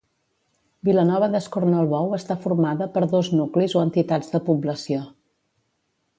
Vilanova d'Escornalbou està formada per dos nuclis o entitats de població.